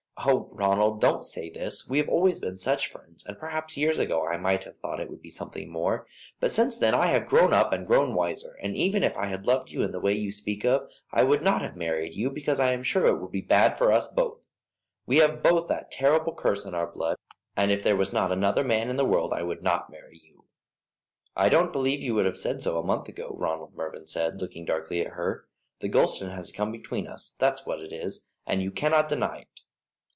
Oh, Ronald, don't say this; we have always been such friends, and perhaps years ago I might have thought it would be something more; but since then I have grown up and grown wiser, and even if I had loved you in the way you speak of, I would not have married you, because I am sure it would be bad for us both. We have both that terrible curse in our blood, and if there was not another man in the world I would not marry you." "I don't believe you would have said so a month ago," Ronald Mervyn said, looking darkly at her. "This Gulston has come between us, that's what it is, and you cannot deny it."